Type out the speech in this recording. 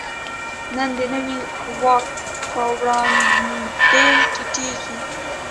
نن د نوي واک په وړاندې ټیټېږي.